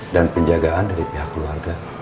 dan penjagaan dari pihak keluarga